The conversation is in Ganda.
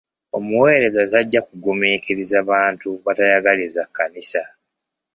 Omuwereza tajja kugumiikiriza bantu batayagaliza kkanisa.